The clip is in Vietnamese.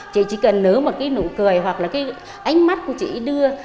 chị chỉ cần nớ một cái nụ cười hoặc là cái ánh mắt của chị đưa